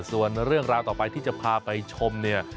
ส่วนเรื่องราวต่อไปที่จะพาไปชมเนี่ย